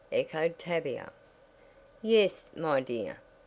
echoed Tavia. "Yes, my dear.